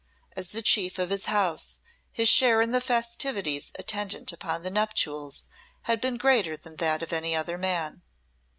As the chief of his house his share in the festivities attendant upon the nuptials had been greater than that of any other man.